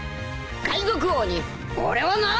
海賊王に俺はなる！